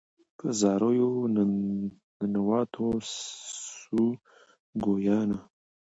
په زاریو ننواتو سوه ګویانه